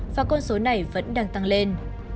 và con số này vẫn đang tăng lên